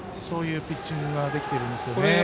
そういうピッチングができてるんですよね。